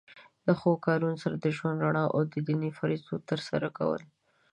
د ښو کارونو سره د ژوند رڼا او د دینی فریضو تر سره کول.